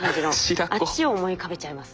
あっちを思い浮かべちゃいますね。